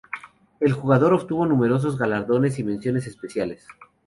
El jugador obtuvo numerosos galardones y menciones especiales.